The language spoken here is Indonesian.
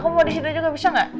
aku mau disitu juga bisa gak